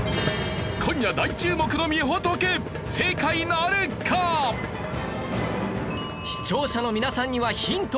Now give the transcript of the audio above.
今夜大注目の視聴者の皆さんにはヒント